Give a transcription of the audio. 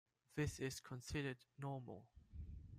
This is considered normal.